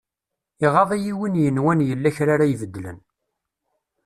Iɣaḍ-iyi win yenwan yella kra ara ibedlen.